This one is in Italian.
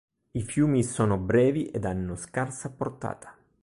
I fiumi sono brevi ed hanno scarsa portata.